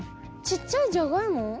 ちっちゃいじゃがいも？